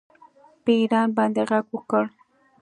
په ایران باندې غږ وکړ